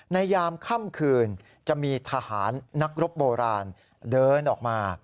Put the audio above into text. ยามค่ำคืนจะมีทหารนักรบโบราณเดินออกมา